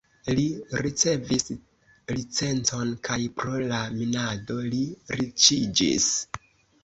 Li ricevis licencon kaj pro la minado li riĉiĝis.